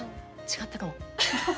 違ったかも。